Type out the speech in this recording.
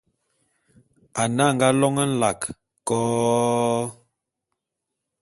Ane anga lône nlak ko-o-o!